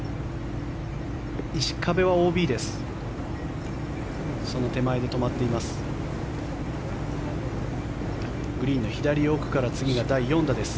石壁はＯＢです。